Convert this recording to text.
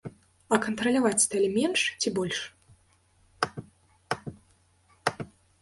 А кантраляваць сталі менш ці больш?